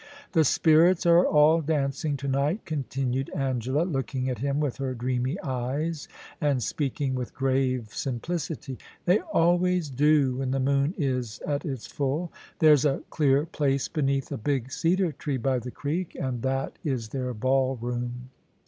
* The spirits are all dancing to night,' continued Angela, looking at him with her dreamy eyes and speaking with grave simplicity. * They always do when the moon is at its full. There's a clear place beneath a big cedar tree by the creek, and that is their ball room.